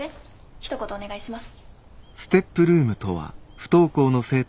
ひと言お願いします。